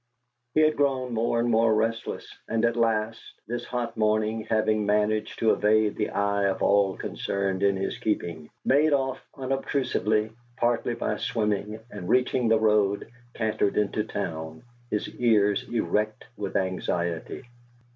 He had grown more and more restless, and at last, this hot morning, having managed to evade the eye of all concerned in his keeping, made off unobtrusively, partly by swimming, and reaching the road, cantered into town, his ears erect with anxiety.